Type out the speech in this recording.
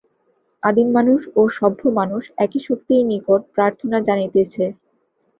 আদিম মানুষ ও সভ্য মানুষ একই শক্তির নিকট প্রার্থনা জানাইতেছে।